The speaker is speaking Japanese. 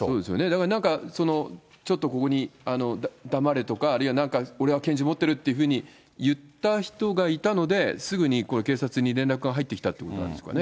だからなんか、ちょっとここに黙れとか、あるいはなんか、俺は拳銃持ってるっていうふうに言った人がいたので、すぐに警察に連絡が入ってきたってことなんですかね。